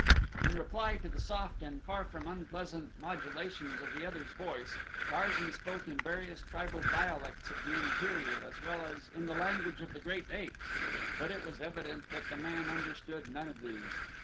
In reply to the soft and far from unpleasant modulations of the other's voice, Tarzan spoke in various tribal dialects of the interior as well as in the language of the great apes, but it was evident that the man understood none of these.